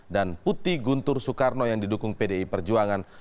dan putih guntur soekarno yang didukung pdi perjuangan